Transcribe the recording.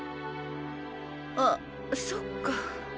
あそっか。